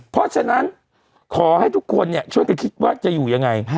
เพราะฉะนั้นขอให้ทุกคนช่วยกันคิดว่าจะอยู่ยังไง